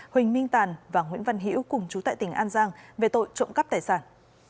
huỳnh minh tàn và nguyễn văn hiễu cùng chú tại tỉnh an giang về tội trộm cắp tài sản